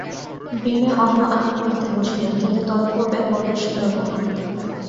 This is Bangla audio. বিনয় অন্ন আহার করিতে বসিল, কিন্তু তৎপূর্বে গণ্ডূষ করিল না।